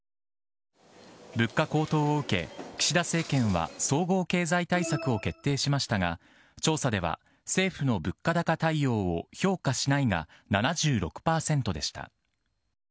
物価高騰を受け、岸田政権は総合経済対策を決定しましたが、調査では、政府の物価高対応を評価しないが７６％でした。